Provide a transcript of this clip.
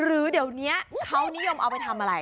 หรือเดี๋ยวนี้เขานิยมเอาไปทำอะไร